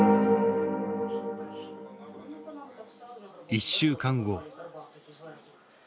１週間後。